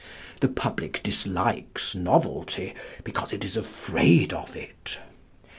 The public dislikes novelty because it is afraid of it....